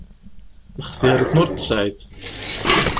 Lxetyar-iḍen ur t-tesεiḍ.